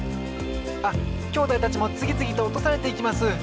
あっきょうだいたちもつぎつぎとおとされていきます！